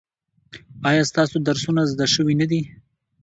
ایا ستاسو درسونه زده شوي نه دي؟